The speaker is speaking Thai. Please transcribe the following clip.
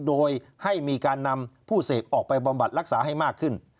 โดยให้มีการนำผู้เสพออกไปบำบัดรักษาให้มากขึ้น